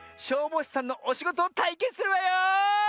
消防士さんのおしごとをたいけんするわよ！